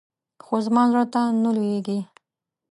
خو زما زړه ته نه لوېږي.